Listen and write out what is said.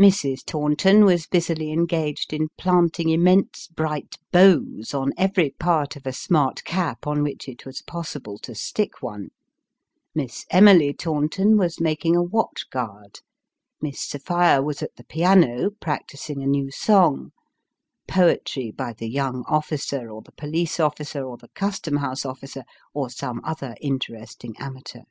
Mrs. Taunton was busily engaged in planting immense bright bows on every part of a smart cap on which it was possible to stick one ; Miss Emily Taunton was making a watch guard ; Miss Sophia was at the piano, practising a now song poetry by the young officer, or the police officer, or the Custom House officer, or some other interesting amateur.